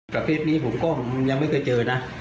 ประเภทนี้ผมก็ยังไม่เคยเจอนะ